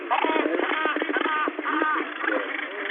Llant ttgent addal.